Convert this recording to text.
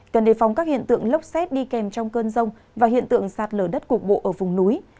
cần đề phóng các hiện tượng lốc xét đi kèm trong cơn rông và hiện tượng sạt lở đất cục bộ ở vùng núi